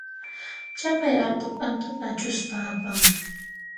Chaqay allqu t'antata achuspa apan.